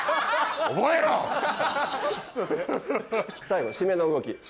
最後締めの動き